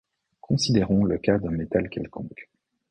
Considérons le cas d'un métal quelconque.